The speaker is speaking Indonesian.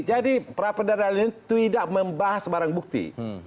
jadi pra pendadilan itu tidak membahas barang bukti